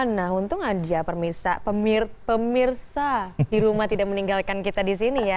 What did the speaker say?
nah untung aja pemirsa di rumah tidak meninggalkan kita di sini ya